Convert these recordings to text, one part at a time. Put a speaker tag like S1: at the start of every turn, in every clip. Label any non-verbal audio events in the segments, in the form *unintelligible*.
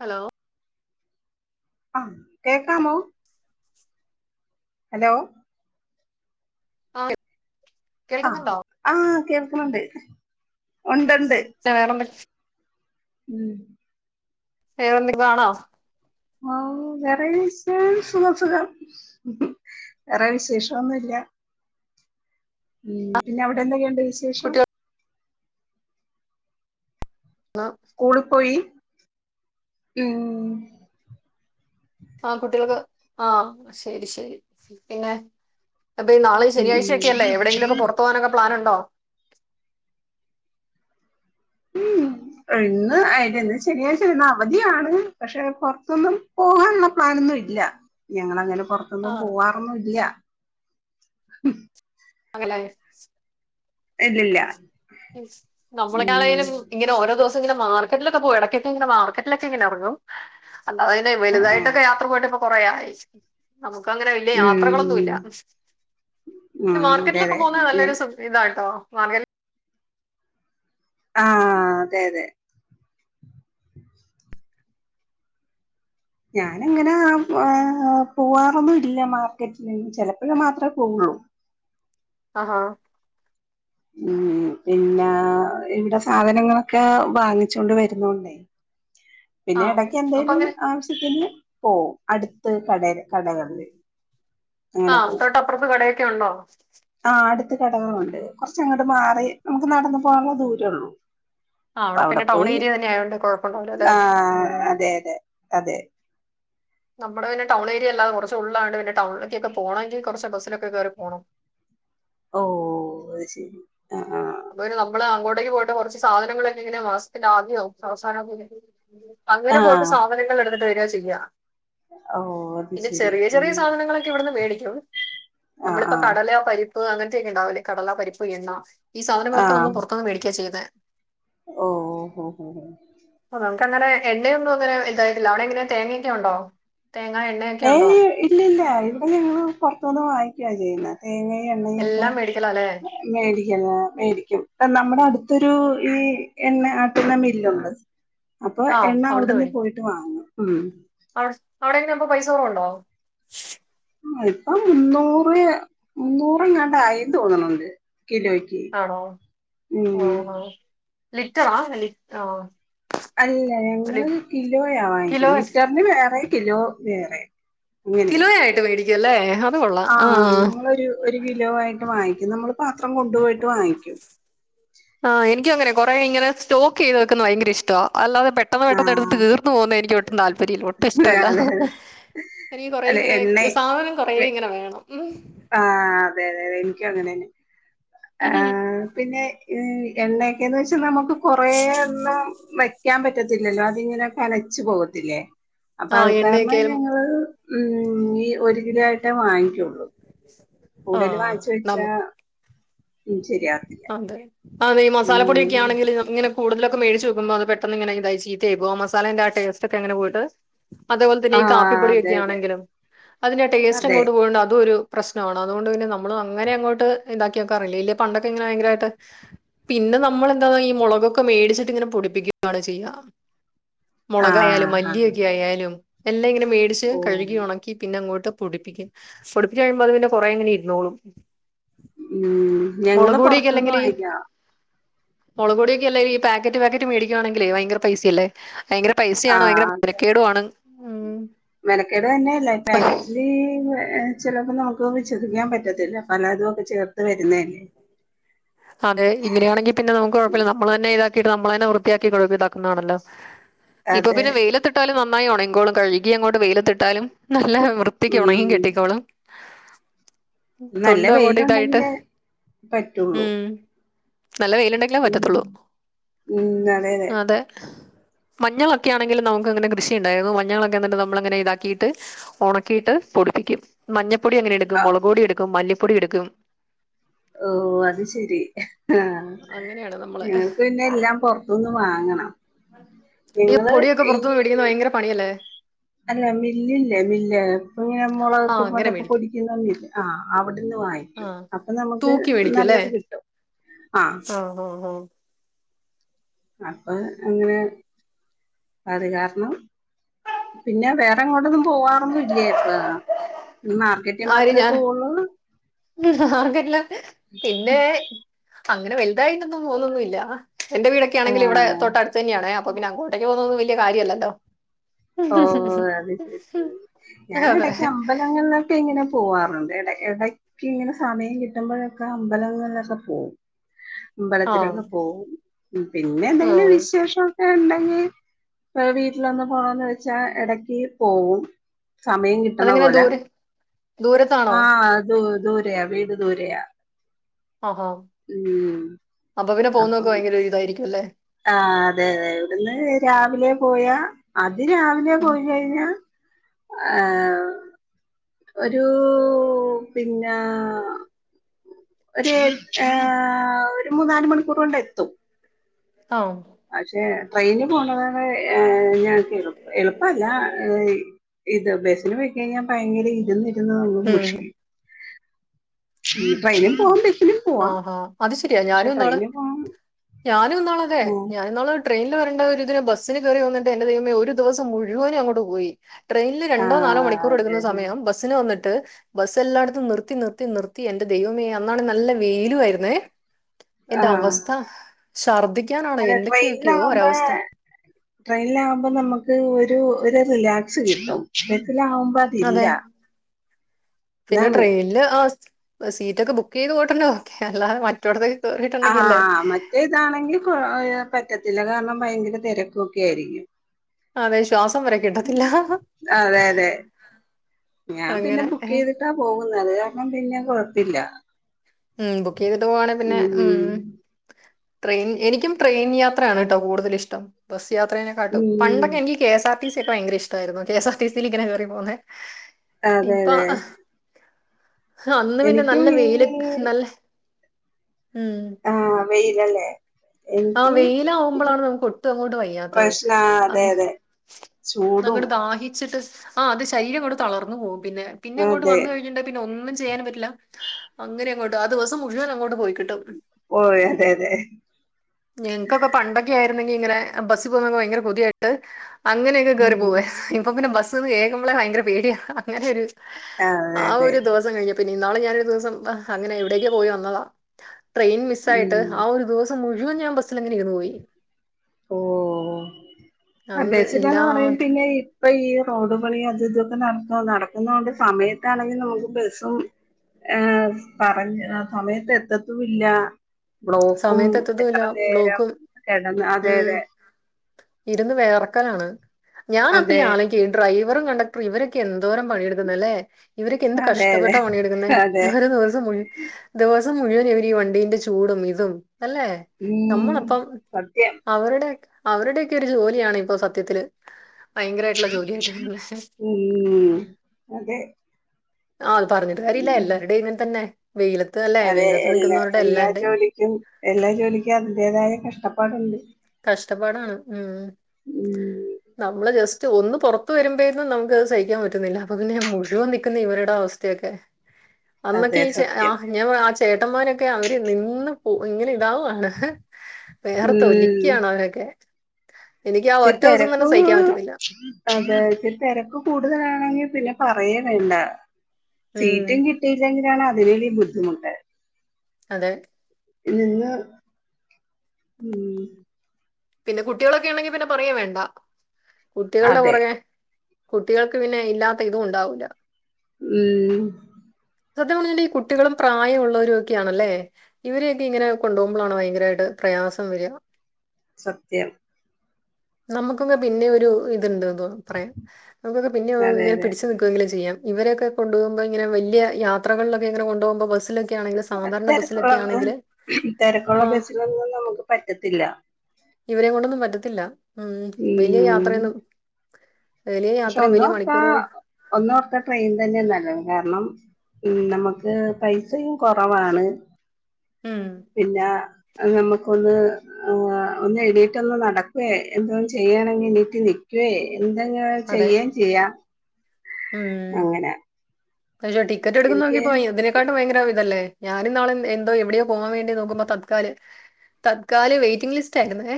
S1: Hello
S2: ആഹ് കേക്കാമോ? Hello
S1: ആഹ്
S2: അഹ് ആഹ് കേൾക്ക്ണ്‌ണ്ട്‌ ഉണ്ട്ണ്ട്
S1: വേറെന്ത
S2: ഉം
S1: വേറെ എന്തെ *unintelligible* ഖാണോ
S2: ആഹ് വേറെ വിശേഷന്നുത്തുല്ലാ വേറെ വിശേഷാെന്നു ഇല്ല ഉം പിന്നെ അവ്ടെ എന്തെയ്യ്ണ്ട് വിശേഷം
S1: കുട്ടികൾ
S2: സ്കൂള് പോയി ഉം
S1: ആഹ് കുട്ടികൾക്ക് ആഹ് ശെരി ശെരി പിന്നെ അപ്പം ഇനി നാളെ
S2: ഉം
S1: ശനിയാഴ്ചയൊക്കെയല്ലേ എവിടെയെങ്കിലും ഒക്കെ പൊറത്ത് പോവാനാെക്കെ പ്ലാന്ണ്ടോ
S2: ഉംഊം ആഹ് ഇന്ന് അയ്ന്‌ന്ന് ശനിയാഴ്ച്ചേണ് അവധിയാണ് പക്ഷെ പാെർത്തൊന്നും പോവാന്ള്ള പ്ലാനൊ ന്നുമല്ല ഞങ്ങളങ്ങനെ പൊറത്തൊന്നും
S1: ആ
S2: പോവാറൊന്നും ഇല്ല ഹും
S1: ആണ്ലേ
S2: ഇല്ലില്ലാ
S1: നമ്മളെക്കെ ആണേലൊരു ഇങ്ങനെ ഓരോ ദ്‌വസ് ത് ങ്ങനെ മാർക്കറ്റിലൊക്കെ പോവും എടക്കെക്കെ ഇങ്ങനെ മാർക്കറ്റിലെക്കെ ഇങ്ങനെ എറങ്ങും അല്ലാതെ പിന്നെ
S2: ആ ആ
S1: വെല്തായ്ട്ടൊക്കെ യാത്ര പോയ്ട്ട് ഇപ്പൊ കൊറേയായി നമുക്കങ്ങനെ വല്യ യാത്രകളൊന്നു ഇല്ലാ
S2: ഉം
S1: പിന്നെ
S2: ആഹ് അതെ
S1: മാർക്കറ്റ്ലൊക്കെ പോക്ന്നെ നല്ല
S2: അതെ
S1: രസ *unintelligible* ണ്‌ട്ടോ വാങ്ങ്യേത്
S2: ആഹ് അതെ അതെ ഞാനങ്ങനെ ആഹ് പോവാറൊന്നും ഇല്ല മാർക്കറ്റ്ല് ചെലപ്പഴ് മാത്രേ പോവു *unintelligible*
S1: ആഹ് ഹാ
S2: ഉം പിന്നെ ഇവിടെ സാധനങ്ങളക്കെ വാങ്ങിച്ചോണ്ട് വരുന്നോണ്ടേ
S1: ആ
S2: പിന്നെ എടക്ക്
S1: അപ്പൊ
S2: എന്തേലും
S1: അങ്ങനെ
S2: ആവിശ്യത്തിന് പോവും അടുത്ത് കടേ കടകളില് അങ്ങനെ
S1: ആഹ്
S2: പോവും
S1: തൊട്ടപ്രത്ത് കടയെക്കെ ഒണ്ടോ
S2: ത്തി കടകളോണ്ട് കൊറച്ചങ്ങോട്ട് മാറി നമുക്ക് നടന്ന് പോനുള്ള ദൂരള്ളു
S1: ആ
S2: അവിടെ
S1: പിന്നെ ടൗൺ
S2: പോയി
S1: ഏരിയ തന്നെ ആയതുകൊണ്ട് കുഴപ്പമുണ്ടാവില്ല അല്ലേ
S2: ആഹ്
S1: ഉം
S2: അതെ അതെ അതെ
S1: നമ്മടെ പിന്നെ ടൗൺ ഏരിയ അല്ലാതെ കൊറച്ച് ഉള്ളാണ് പിന്നെ ടൗൺ ലേക്കൊക്കെ പോണങ്കിൽ കൊറച്ച് ബസ്സിലൊക്കെ കേറി പോണം
S2: ഓ അത് ശരി ആഹ് അഹ്
S1: അപ്പം പിന്നെ നമ്മള് അങ്ങോട്ടേക്ക് പോയിട്ട് കുറച്ച് സാധനങ്ങൾക്കെ ഇങ്ങനെ മാസ്ത്തിന്റെ ആദ്യവോ അവസാനവും *unintelligible* അങ്ങനെ പോയിട്ട്
S2: ആഹ്
S1: സാധനങ്ങൾ എടുത്തിട്ട് വര്യാ ചെയ്യാ
S2: ഓ അത്
S1: പിന്നെ
S2: ശരി
S1: ചെറിയ ചെറിയ
S2: ഉം
S1: സാധനങ്ങളക്കെ ഇവിടുന്ന് മേടി ക്കും
S2: ആഹ്
S1: നമ്മളിപ്പം
S2: ആഹ്
S1: കടലയോ പരിപ്പ് അങ്ങനത്തെയൊക്കെ ഉണ്ടാവില്ലേ കടല പരിപ്പ് എണ്ണ ഈ സാധനങ്ങളൊക്കെ നമ്മള് പൊറത്തൂന്ന് മേടിക്യ ചെയ്യ്ന്നെ
S2: ഓഹ് ഓഹ് ഓഹ് ഓഹ്
S1: ക്ക്‌ അങ്ങനെ എണ്ണയൊന്നും അങ്ങനെ ഇതായിട്ടില്ല അവിടെ എങ്ങനെ തേങ്ങയൊക്കെ ഒണ്ടോ
S2: ഏയ് ഇല്ലില്ല ഇവിടെ ഞങ്ങള് പൊറത്തൂന്ന് വാങ്ങിക്കുവാ ചെയ്യുന്നെ തേങ്ങേം എണ്ണേം ഒക്കെ
S1: എല്ലാം മേടിക്കലോ അല്ലേ
S2: മേടിക്ക മേടിക്കും കാ നമ്മുടെ അട് ത്തോരു ഈഎണ്ണ ആട്ടുന്ന മില്ലോണ്ട് അപ്പൊ
S1: ആ
S2: എണ്ണ
S1: മേടിക്കും
S2: അവിടുന്ന് പോയിട്ട് വാങ്ങും ഉം
S1: ചോറൊണ്ടോ
S2: ഇപ്പം മുന്നൂറ് മുന്നൂറ് എങ്ങാണ്ട് ആയീന്ന് തോന്നണുണ്ട് കിലോയിക്ക്
S1: ആണോ
S2: ഉം
S1: ലിറ്ററോ ലി ആഹ്
S2: അല്ല ഞങ്ങള് കിലോയാ
S1: കിലോ
S2: വാങ്ങിക്കുന്നെ. ലിറ്ററിന് വേറെ കിലോ വേറെ അങ്ങനെ
S1: കിലോയായിട്ട് മേടിക്കും അല്ലേ അത് കൊള്ളാം ആ
S2: ആഹ് നിങ്ങളൊരു ഒരു കിലോ ആയിട്ട് വാങ്ങിക്കും നമ്മള് പാത്രം കൊണ്ടുപോയിട്ട് വാങ്ങിക്കും
S1: ആഹ് എനിക്കും അങ്ങനാ. കൊറേ ഇങ്ങനെ സ്റ്റോക്ക്യ്ത് വെക്കുന്ന ഭയങ്കര ഇഷ്ടവാ. അല്ലാതെ പെട്ടെന്ന് പെട്ടെന്ന് എടുത്ത്
S2: ആഹ്
S1: തീർന്നു പോന്നെ എനിക്ക് ഒട്ടും താല്പര്യല്ല ഒട്ടും
S2: അതെ
S1: ഇഷ്ടല്ല..
S2: അതെ അതെ.
S1: എനിക്ക് കൊറേ
S2: അല്ലെ
S1: ഇങ്ങനെ
S2: എണ്ണ
S1: സാധനം കൊറേ ഇങ്ങനെ വേണം ഉം
S2: ആഹ് തെ തെ തെ ഇന്കും അങ്ങനെന്നെ
S1: ഉം
S2: ആഹ് പിന്നെ ഈ എണ്ണയൊക്കെന്ന് വെച്ച് നമുക്ക് കൊറേ ന്നു വെ ക്കാൻ പറ്റത്തില്ലല്ലോ അതിങ്ങനെ കനച്ച് പോവത്തില്ലേ അപ്പൊ
S1: ആ
S2: അഹ് കാരണം
S1: എണ്ണയൊക്കെയാലും
S2: ഞങ്ങള് ഉം ഈ ഒരു കിലോ ആയിട്ടെ വാങ്ങികൊള്ളൂ
S1: ആഹ് നമു
S2: ശരിയാവത്തില്ല
S1: അതെ അതെ ഇ മസാല
S2: ഉം
S1: പൊടിയക്യണങ്കില് ഇങ്ങനെ കൂടുതലൊക്കെ മേടിച്ച് വെക്കുമ്പ അത് പെട്ടന്ന്ങ്ങനെ ഇതായി ചീത്തയായി പോ മസാലേന്റെ ആ ടേസ്റ്റ്ക്കെങ്ങനെ പോയിട്ട് അതേപോൽതന്നെ ഈ
S2: ആഹ് അതെ അതെ
S1: കാപ്പിപ്പൊടിയൊക്കെണെങ്കിലും അതിന്റെ ടേസ്റ്റ്
S2: അതെ
S1: അങ്ങോട്ട് പോയണ്ട് അതും ഒരു പ്രശ്നാ അതുകൊണ്ട്പിന്നെ നമ്മള് അങ്ങനെ അങ്ങോട്ട് ഇതാക്കി വെക്കാറില്ല ഇല്ലെ പണ്ടൊക്കെ ഇങ്ങനെ ഭയങ്കരായിട്ട് പിന്നെ നമ്മള് ന്തോ ഈ മുളകൊക്കെ മേടിച്ചിട്ട് ഇങ്ങനെ പൊടിപ്പിക്കയാണോ ചെയ്യ മുളകായാലും
S2: ആഹ് ആഹ്
S1: മല്ലിയൊക്കെയായാലും എല്ല ഇങ്ങനെ മേടിച്ച്
S2: ഓ
S1: കഴുകി ഉണക്കി പിന്നെ അങ്ങോട്ട് പൊടിപ്പിക്കും. പൊടിപ്പിച്ച് കഴിയുമ്പോ അത് പിന്നെ കൊറേങ്ങനെ ഇരുന്നോളും
S2: ഉം ഞങ്ങള് പൊറത്ത്ന്ന് വാങ്ങിക്ക
S1: മുളകൊടിയൊക്കെല്ലേലും ഈ പാക്കറ്റ് പാക്കറ്റ് മേടിക്കാണെങ്കില് ഭയങ്കര പൈസയല്ലേ? ഭയങ്കര പൈസയാണ് ഭയങ്കര
S2: ആഹ് അതെ അതെ
S1: മെനക്കേടു ആണ്.
S2: മെനക്കേട് തന്നെയല്ല ഇ പാകറ്റ്ല് കൊറെ ഏഹ് ചിലപ്പം നമുക്ക് വിശ്വസിക്കാൻ പറ്റത്തില്ല പലതു ഒക്കെ ചേർ
S1: അതെ ഇങ്ങനെയാണെങ്കി പിന്നെ നമുക്ക് കൊഴപ്പല്ല നമ്മള് തന്നെ ഇതാ കിട്ട് നമ്മളെന്നെ വൃത്തിയാക്കി കഴുകിതാക്കുന്നാണല്ലോ ഇപ്പ
S2: അതെ
S1: പിന്നെ വെയിലത്ത്ട്ടാലും ന്നായി ഒണങ്കോളും കഴുകി അങ്ങോട്ട് വെയിലത്തിട്ടാലും നല്ല വൃത്തിക്ക് ഒണങ്ങി
S2: ഉം
S1: കിട്ടിക്കോളും
S2: നല്ല
S1: തൊണ്ടും അങ്ങോട്ട് ഇതായിട്ട്
S2: വെയിലുണ്ടെങ്കിലെ പറ്റുള്ളൂ
S1: ഉം നല്ല വെയിലുണ്ടെങ്കിലെ
S2: ഉം
S1: പറ്റതൊള്ളൂ അതെ മഞ്ഞളൊക്ക്യാണെങ്കിൽ നമുക്ക്ങ്ങനെ കൃഷിണ്ടായിരുന്നു മഞ്ഞളൊക്കെ ന്നിട്ട് നമ്മ്ൾങ്ങനെ ഇതാക്കിട്ട് ഒണക്കീട്ട് പൊടിപ്പിക്കും മഞ്ഞപ്പൊട്യങ്ങനെ എടുക്കും
S2: ആഹ്
S1: മുളക് പൊടി എടുക്കും മല്ലിപ്പൊടി എടുക്കും
S2: ഓ അത് ശരി ആ
S1: അങ്ങനെയാണ് നമ്മള്
S2: ഞങ്ങക്ക് പിന്നെല്ലാം പൊർത്ത്ന്ന് വാങ്ങണം
S1: അയ്യൊ
S2: ഞങ്ങള്
S1: പൊട്യൊക്കെ പൊർത്ത്ന്ന് വെടിക്കുന്ന
S2: ഈ
S1: വയ്ങ്കര പണിയല്ലേ
S2: അല്ല മില്ലില്ലെ മില്ല് *unintelligible*
S1: ആ അങ്ങനെ
S2: മുളക *unintelligible*
S1: മേടിക്കും
S2: പൊടിക്കുന്ന മില്ല് ല്ലെ ആ അവിട്ന്ന് വായിക്കും
S1: ആ
S2: അപ്പൊ നമുക്ക് നല്ല ത് കിട്ടും
S1: ആ ആ
S2: അപ്പൊ അങ്ങനെ അത് കാര്ണം പിന്നെ വേറെങ്ങോട്ടൊന്നും പോവാറൊന്നുല്ലേ പ്പാ നി മാർക്കറ്റ് മാത്ര പോവൊള്ളൂ
S1: മാർക്കറ്റ് ല പിന്നെ അങ്ങനെ വൽ തായിട്ടൊന്നും പോന്നൊന്നു ഇല്ല എന്റെ
S2: ആ
S1: വീടൊക്കെയാണെങ്കില് ഇവിടെ തൊട്ടട്തന്നെയാണെ അപ്പ പിന്നെ അങ്ങോട്ടേക്ക് പോന്നൊന്നു വെൽ ല്യ കാര്യല്ലല്ലോ
S2: ഓ അത് ശെരി
S1: അതെ
S2: ഞാനടക്ക് അമ്പലങ്ങൾലോക്കെങ്ങനെ പോവാർ ആ അത് ഇടക്ക്ടക്ക്‌ങ്ങനെ സമയം കിട്ടുമ്പഴൊക്കെ അമ്പലങ്ങൾലൊക്കെ പോവും
S1: ആഹ്
S2: അമ്പലത്തിലക്കെ പോവും പിന്നെ എന്തെങ്കിലും
S1: ആഹ്
S2: വിശേഷൊ ക്കെണ്ടെങ്കിൽ വേ വീട്ടിലൊന്ന് പോണോന്ന് വെച്ചാ എടക്ക് പോവും സമയം കിട്ടണ
S1: അതെങ്ങനെ
S2: പോലെ
S1: ദൂരെ ദൂരത്താണോ
S2: ആ അതൊ ദൂരെയ വീട് ദൂരെയ
S1: ആഹാ അപ്പൊപിന്നെ പോവുന്നൊക്കെ വയ്ങ്കര ഇതായിരിക്കുല്ലെ
S2: ആ അതെ അതെ ഇവിട്ന്ന് രാവിലെ പോയാ അ തി രാവിലെ പോയി കഴിഞ്ഞാ ഏ ഒരൂ പിന്നാ ഒരു എ ഏ എതാ ഒരു മുന്നാല് മണിക്കൂറോണ്ട് എത്തും
S1: അവു
S2: പക്ഷെ ട്രെയിന് പോണതാണ് ഏ ഞങ്ങക്ക് എളുപ്പ എളുപ്പല്ല ഏ ഇ ഇത് ബെസ്സില് പോയിക്കഴിഞ്ഞാ ഭയ്ങ്കര ഇ ഇരുന്നു ഇരുന്നു നമ്മള്
S1: ഉം
S2: മുഷിയും ഉം ട്രെയിനും പോവ പ
S1: ആഹാ ആഹാ അത് ശരിയാ ഞാനുന്നാള്
S2: പോവാൻ
S1: ഞാനുന്നാള് അതെ ഞാനിന്നാള് ട്രെയിനിൽ വരേണ്ട ഒരു ഇതിന് ബസ്സിന് കയറി വന്നിട്ട് എന്റെ ദൈമേ ഒരു ദിവസം മുഴുവനും അങ്ങോട്ട് പോയി ട്രെയിൻല്
S2: ആ
S1: രണ്ടോ നാലോ മണിക്കൂർ എടുക്കുന്ന
S2: അതായത്
S1: സമയം ബസിന് വന്നട്ട് ട്ട് ബസ് എല്ലായിടത്തും നിർത്തി നിർത്തി നിർത്തി എന്റെ ദൈവമേ അന്നാണ് നല്ല വെയിലും ആയിരുന്നെ
S2: ആ
S1: എന്റെ അവസ്ഥ ഛർദിക്കാനാണോ എന്തൊക്ക്യൊക്കെയോ ഒരവസ്ഥ
S2: ട്രെയിനൽ ആകുമ്പോ നമുക്ക് ഒരു ഒരു റിലാക്സ് കിട്ടും ബസ്സിലാകുമ്പോ
S1: അതെ
S2: അതില്ല
S1: പിന്നെ
S2: അതാണ്
S1: ട്രെയിനില് ആ സീറ്റൊക്കെ ബുക്കെയ്ത് പോയിട്ടെന്നേ അല്ലാതെ മറ്റോടത്തെ
S2: ആഹ് മറ്റേ ഇതാണെങ്കിൽ കൊ പറ്റത്തില്ല കാര്ണം ഭയ്ങ്കര തെരക്കൊക്കെ ആയിരിക്കും
S1: അതെ ശ്വാസം വരെ കിട്ടത്തില്ല
S2: അതെ അതെ ഞാൻ പിന്നെ
S1: അങ്ങനെ
S2: ബുക്കെയ്തിട്ടാ പോകുന്നത് അത് കാരണം പിന്നെ കൊഴപ്പില്ല
S1: ഉം ബുക്കെയ്തിട്ട് പോവാണെ പിന്നെ ഉം ട്രെയിൻ എനിക്കും ട്രെയിൻ യാത്രയാണ്ട്ടോ കൂടുതല് ഇഷ്ടം ബസ് യാത്രേെനെകാട്ടും
S2: ഉം
S1: പണ്ടൊക്കെ എനിക്ക് കെ എസ്ആർ ടി സി ഒക്കെ ഭയങ്കര ഇഷ്ടമായിരുന്നു കെ എസ് ആർ ടി സിയില് ഇങ്ങനെ കയറി പോകുന്നേ
S2: അതെ അതെ
S1: അന്ന് പിന്നെ
S2: എനിക്കും
S1: നല്ല വെയില്
S2: ഈ
S1: നല്ല ഉം
S2: ആഹ് വെയിലല്ലേ
S1: ആ
S2: എനിക്ക്
S1: വെയില
S2: ഈ
S1: ആകുമ്പോളാണ് നമുക്ക് ഒട്ടും അങ്ങോട്ട് വയ്യാത്തത്
S2: പ്രശ്ന
S1: അ
S2: അതെ അതെ
S1: ന്ന
S2: ചൂടും
S1: അങ്ങട് ദാഹിച്ചിട്ട് ആ അത് ശരീരം അങ്ങട്ട് തളർന്നു പോവും പിന്നെ പിന്നെ അങ്ങോട്ട്
S2: അതെ
S1: വന്നു കഴിഞ്ഞിടെങ്കിൽ പിന്നെ ഒന്നും ചെയ്യൻ പറ്റില്ല പറ്റില്ല അങ്ങനെ അങ്ങോട്ട് ആ ദിവസം മുഴുവൻ അങ്ങോട്ട് പോയിക്കിട്ടും
S2: ഓ അതെ അതെ
S1: ഞങ്ങക്കൊക്കെ പണ്ടൊക്കെ ആയിരുന്നെങ്കി ഇങ്ങനെ ബസ്സിൽ പോവാൻ ഭയങ്കര പൂതിയായിട്ട് അങ്ങനെയൊക്കെ കയറി
S2: ഉം
S1: പോവേ ഇപ്പൊ പിന്നെ ബസ്ന്ന് കേൾക്കുമ്പോളെ ഭയങ്കര പേടിയാണ് അങ്ങനെയൊരു
S2: അതെ
S1: ആ
S2: അതെ
S1: ഒരു ദിവസം കഴിഞ്ഞ പിന്നെ ഇനാളെ ഞാന്നൊരു ഒരു ദിവസം അങ്ങനെ എവിടെക്കൊ പോയി വന്നതാ ട്രെയിൻ മിസ് ആയിട്ട്
S2: ഉം
S1: ആ ഒരു ദിവസ മുഴുവൻ ഞാൻ ബസ്സിൽ അങ്ങനെ ഇരുന്നുപോയി
S2: ഓ
S1: അന്ന്
S2: അബസിലാന്ന് പറഞ്ഞിട്ട്
S1: ഇല്ലാത്ത
S2: പിന്നെ ഇപ്പൊ ഈ റോഡുകളി അത് ഇതൊക്കെ നട നടക്കുന്ന കൊണ്ട് സമയത്താണെങ്കിൽ നമുക്ക് ബസ്സും ഏ പറഞ്ഞ സമയത്ത് എത്തത്തുല്ല ബ്ലോക്കും
S1: സമയത്ത്
S2: എത്ര
S1: എത്തത്തുല്ല
S2: നേരം
S1: ബ്ലോക്കും
S2: കിടന്ന് അതെ
S1: ഉം
S2: അതെ
S1: ഇരുന്ന് വേർക്കലാണ് ഞാനിപ്പോ
S2: അതെ
S1: ആലോചിക്ക ഈ ഡ്രൈവ ഡ്രൈവറും കണ്ടക്ടറും ഇവരൊക്കെ എന്തോരം പണിയെടുക്കുന്ന അല്ലേ ഇവരൊക്കെ എന്ത്
S2: അതെ
S1: കഷ്ടപ്പെട്ടാ
S2: അതെ
S1: പണിയെടുക്കുന്നെ
S2: അതെ
S1: ഒരു ദിവസം മുഴു ദിവസം ദിവസം മുഴുവൻ ഇവര് ഈ വണ്ടീന്റെ ചൂടും ഇതും അല്ലെ
S2: ഉം
S1: നമ്മളപ്പം
S2: സത്യം
S1: അവരുടെയൊക്കെ അവരുടെയൊക്കെ ഒരു ജോലിയാണ് ഇപ്പോ സത്യത്തില് ഭയങ്കരായിട്ടുള്ള ജോലിയായിട്ട് വരുന്നെ
S2: ഉം അതെ
S1: ആ അത് പറഞ്ഞിട്ട് കാര്യല്യ
S2: ഉം
S1: എല്ലാരുടെയും ഇങ്ങനെ തന്നെ വെയിലത്ത് അല്ലെ
S2: അതെ
S1: വെയിലത്ത്
S2: എല്ലാ
S1: നിക്കുന്നവരുടെ
S2: എല്ലാ
S1: എല്ലാവരുടെയും
S2: ജോലിക്കും എല്ലാ ജോലിക്കും അതിന്റെതായ കഷ്ടപ്പാടുണ്ട്
S1: കഷാടപ്പാടാണ് ഉം
S2: ഉം
S1: നമ്മള് ജസ്റ്റ്‌ ഒന്ന് പുറത്തു വരുമ്പോഴക്കും നമുക്ക് സഹിക്കാൻ പറ്റുന്നില്ല അപ്പൊ പിന്നെ മുഴുവൻ നിൽക്കുന്ന ഇവരുടെ അവസ്ഥയൊക്കെ അന്നൊക്കെ
S2: അതെ
S1: ഈ ച ആ
S2: സത്യം
S1: ഞാൻ പറ ആ ചേട്ടന്മാരൊക്കെ അവര് നിന്ന് പോ ഇങ്ങനെ താവാണ്
S2: ഉം
S1: വേർതൊലിക്കാണ് അവരൊക്കെ എനിക്ക് ആ
S2: ഇച്ചിരി
S1: ഒറ്റ ദിവസം തന്നെ
S2: തിരക്ക്
S1: സഹിക്കാൻ പറ്റുന്നില്ല
S2: അതെ ഇച്ചരി തിരക്ക് കൂടുതലാണെങ്കിൽ പിന്നെ പറയേ വേണ്ട
S1: ഉം
S2: സീറ്റും കിട്ടിയില്ലെങ്കില അത് വലിയും ബുദ്ധിമുട്ട്
S1: അതെ
S2: നിന്ന് മ്
S1: പിന്നെ കുട്ടികളൊക്കെ ണ്ടെങ്കി പിന്നെ പറയേം വേണ്ട കുട്ടികൾടെ
S2: അതെ
S1: പുറകെ കുട്ടികൾക്ക് പിന്നെ ഇല്ലാത്ത ഇതും ണ്ടാവൂല്ല
S2: മ്
S1: സത്യം പറഞ്ഞാലീ ഈ കുട്ടികളും പ്രായമുള്ളവരും ഒക്കെയാണല്ലേ ഇവരെയൊക്കെ ഇങ്ങനെ കൊണ്ട് പോകുമ്പളാണ് ഭയങ്കരായിട്ട് പ്രയാസം വരാ
S2: സത്ത്യം.
S1: നമ്മക്കൊക്കെ പിന്നെ ഒരു ഇത്ണ്ടോ പറയാം നമ്മക്കൊക്കെ പിന്നെ
S2: അതെ
S1: ങ്ങനെ
S2: അതെ
S1: പിടിച്ച് നിക്കോങ്കിലും ചെയ്യാം ഇവരെക്കെ കൊണ്ട് പോക്മ്പോ ഇങ്ങനെ വല്ല്യേ യാത്രകളിലെക്കെ ഇങ്ങനെ കൊണ്ട് പോക്മ്പോ ബസ്സി
S2: തെരക്ക്ള്ള ബ തെരക്ക്ള്ള
S1: ആ
S2: ബസ്സിലൊന്നും നമ്മക്ക് പറ്റത്തില്ല.
S1: ഇവരേം കൊണ്ടൊന്നും പറ്റത്തില്ല. മ് വെല്യേ
S2: ഉം
S1: യാത്രേന്നും
S2: പക്ഷെ ഒന്നോർത്താ ഒന്നോർത്താ ട്രെയ്ൻതന്നെ നല്ലത് കാരണം മ് നമ്മക്ക് പൈസയും കൊറവാണ്
S1: ഉം
S2: പിന്നെ അഹ് നമ്മക്കൊന്ന് ആഹ് ഒന്ന് എയ്നേറ്റൊന്ന് നടക്വവേ എന്തോ ചെയ്യണെങ്കിൽ ണീറ്റ്നിക്വവേ എന്തങ്കില്
S1: അതെ
S2: ചെയ്യേം ചെയ്യാം. അങ്ങന.
S1: പക്ഷോ ടിക്കറ്റ് എട്ക്കന്നെങ്കി ഇതിനെക്കാട്ടിം ഭയങ്കര ഇതല്ലേ? ഞാനിന്നാള് എന്തോ എവിടെയോ പോവാൻ വേണ്ടി നോക്ക്മ്പോ തത്ക്കാല് തത്കാല് വെയ്റ്റിംഗ് ലിസ്റ്റായിര്ന്നേ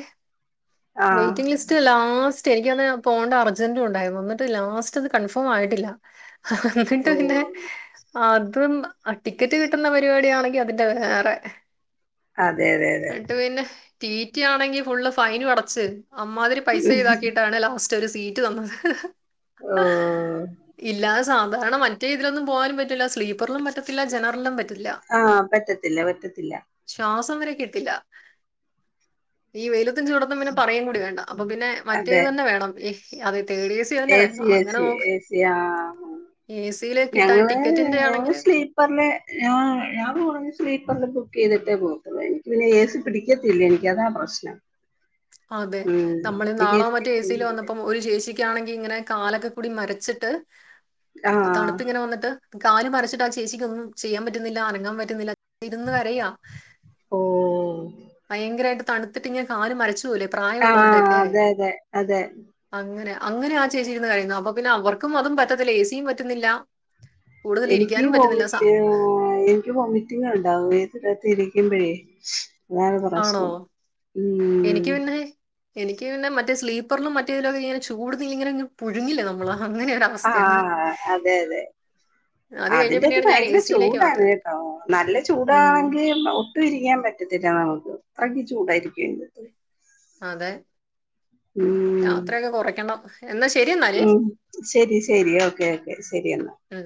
S2: ആഹ്
S1: വെയ്റ്റിങ്ങ് ലിസ്റ്റ് ലാസ്റ്റ് എനിക്കന്ന് പോണ്ട അർജന്റും ഉണ്ടായിരുന്നു. ന്ന്ട്ട് ലാസ്റ്റത് കൺഫ ഫോം ആയിട്ടില്ല അന്നിട്ട്
S2: ഓ
S1: പിന്നെ അ തും ആഹ് ടിക്കറ്റ് കിട്ടുന്ന പരിപാടി ആണെങ്കി അതിന്റെ വേറെ
S2: അതെ അതെ അതെ.
S1: ട്ടി ട്ടി ആണെങ്കി ഫുള്ള് ഫൈനും അടച്ച് അമ്മാതിരി പൈസ ഈടക്കിയിട്ടാണ് ലാസ്റ്റ് ഒര് സീറ്റ് തന്നത്.
S2: ഓ
S1: ഇല്ലാതെ സാധാരണ മറ്റേ ഇതിലൊന്നും പോകൻ പറ്റില്ല. സ്ലീപ്പറിലും പറ്റത്തില്ല. ജനറലും പറ്റ്
S2: ആഹ് പറ്റത്തില്ല പറ്റത്തില്ല.
S1: തമരെ കിട്ടില്ല ഈ വെയ്ല ത്തും ചൂടത്തും പിന്നെ പറയും കൂടി വേണ്ട. അപ്പ
S2: ഉം
S1: പിന്നെ
S2: അതെ
S1: മറ്റേത് തന്നെ വേണം. തേഡ് എ സി തന്നെ വേണം അങ്ങനെ നോക്ക്
S2: യാ. ഞങ്ങള്
S1: ടിക്കറ്റിന്റെ
S2: ഞങ്ങള്
S1: ആണെങ്കില്
S2: സ്ലീപ്പറിലെ ഞ ഞാൻ കൂട്തല് സ്ലീപ്പർ ബുക്ക് ചെയ്തിട്ടേ പോകത്തുള്ളൂ. എനിക്ക് പിന്നെ എ സി പിടിക്കത്തില്ല. എനിക്കതാ പ്രശ്നം.
S1: അതെ
S2: ഉം
S1: നമ്മള്
S2: എനിക്ക് എ
S1: ന്നാളോ
S2: സി
S1: മറ്റോ എസീല് വന്നപ്പം ഒര് ചേച്ചിക്ക് ക്കാണെങ്കി ഇങ്ങനെ കാലൊക്കെ കൂടി മരച്ചിട്ട്
S2: ആഹ്
S1: തണ്ത്ത്ങ്ങനെ വന്നിട്ട് കാല് മരച്ചിട്ട് ആ ചേച്ചിക്ക് ഒന്നും ചെയ്യാൻ പറ്റുന്നില്ല അനങ്ങാൻ പറ്റുന്നില്ല. ഇരുന്ന് കരയാ
S2: ഓ
S1: ഭയങ്കരായിട്ട് തണ്ത്തിട്ട് ഇങ്ങനെ കാല് മരച്ച് പോവൂലെ?
S2: ആഹ്
S1: പ്രായള്ളോര്ടെക്കെ
S2: അതെ അതെ അതെ
S1: അങ്ങനാ അങ്ങനെ ആ ചേച്ചിര്ന്നു കരയുന്നു. അപ്പ പിന്നെ അവർക്കും അതും പറ്റത്തില്ല. എ സിയും പറ്റ്ന്നില്ല.
S2: എനിക്കീ വോമിറ്റ് എനിക്ക് വോമിറ്റിങ്ങ് ഉണ്ടാവും എ സി ക്കകത് ഇരി ക്കിമ്പഴേ അതാണ്
S1: ആണോ
S2: പ്രശ്നം
S1: എനിക്ക്
S2: ഉം
S1: പിന്നെ എനിക്ക് പിന്നെ മറ്റേ സ്ലീപ്പറിലും മറ്റേതിലൊക്കെ ഇങ്ങനെ ചൂടുന്ന് ഇങ്ങനെ പുഴുങ്ങില്ലേ നമ്മള് അങ്ങനെ ഒരു
S2: അ
S1: അവസ്ഥയാണ്
S2: ആഹ് അതെ അതെ
S1: അത് കഴിഞ്ഞ
S2: അതിന്റെ അകത്ത്
S1: പിന്നെയാണ് ഞാൻ എ
S2: ഭയങ്കര
S1: സിയിലേക്ക് മാറി
S2: ചൂടാണ് കേട്ടോ നല്ല
S1: ഉം
S2: ചൂടാണെങ്കി ഒട്ടും ഇരിക്കാൻ പറ്റ് *unintelligible* ചൂടായിരിക്കു അയ്ന്റകത്ത്
S1: അതെ
S2: ഉം
S1: യാത്രയൊക്കെ കൊറക്കണം
S2: ഉം ശരി ശരി ഓക്കെ ഓക്കെ ശരി എന്നാ
S1: ഉം